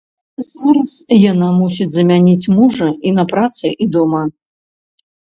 Зараз яна мусіць замяніць мужа і на працы, і дома.